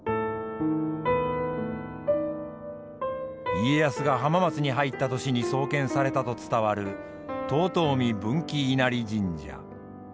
家康が浜松に入った年に創建されたと伝わる遠江分器稲荷神社。